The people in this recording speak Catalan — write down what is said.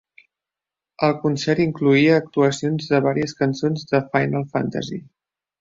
El concert incloïa actuacions de varies cançons de "Final Fantasy".